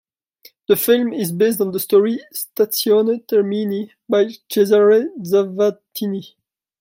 The film is based on the story "Stazione Termini" by Cesare Zavattini.